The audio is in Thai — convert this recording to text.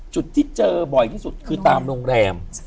จุดที่เจอบ่อยที่สุดคือตามโรงแรม